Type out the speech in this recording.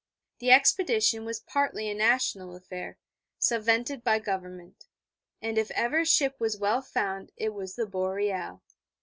The expedition was partly a national affair, subvented by Government: and if ever ship was well found it was the Boreal.